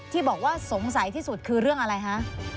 ที่บอกว่าสงสัยที่สุดคือเรื่องอะไรคะ